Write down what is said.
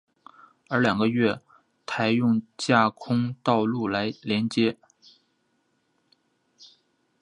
而两个月台用架空道路来连接。